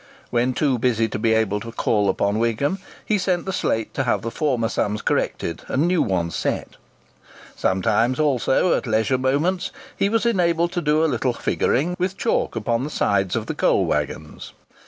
When too busy to be able to call upon Wigham, he sent the slate to have the former sums corrected and new ones set. Sometimes also, at leisure moments, he was enabled to do a little "figuring" with chalk upon the sides of the coal waggons.